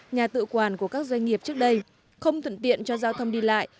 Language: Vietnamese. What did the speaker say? nhà tự quản của các doanh nghiệp trước đây không thuận tiện cho giao thông đi lại